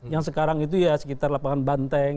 yang sekarang itu ya sekitar lapangan banteng